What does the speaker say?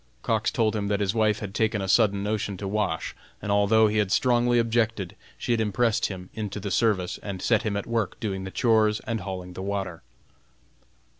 Cox told him that his wife had taken a sudden notion to wash, and although he had strongly objected, she had impressed him into the service, and set him at work doing the chores and hauling the water.